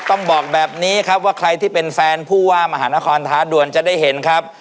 ต้องบอกแบบนี้ครับว่าใครที่เป็นแฟนผู้ว่ามหานครท้าด่วนจะได้เห็นครับ